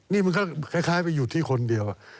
นี่มันก็คล้ายไปอยู่ที่คนเดียว